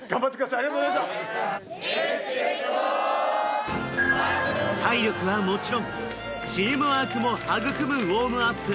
ありがとうございました体力はもちろんチームワークも育むウォームアップ